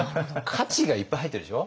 「かち」がいっぱい入ってるでしょ？